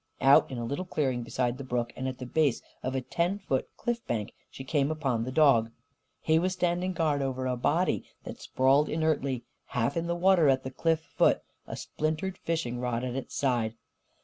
Out in a little clearing, beside the brook, and at the base of a ten foot cliff bank, she came upon the dog. He was standing guard over a body that sprawled inertly, half in the water at the cliff foot, a splintered fishing rod at its side.